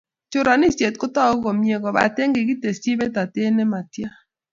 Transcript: Choranisyet kotogu komie, kobate kikitesyi betatet ne matya.